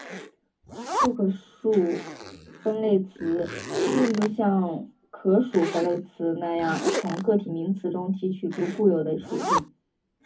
不可数分类词并不像可数分类词那样从个体名词中提取出固有的属性。